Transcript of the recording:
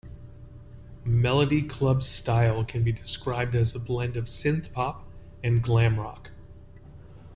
Melody Club's style can be described as a blend of synthpop and glam rock.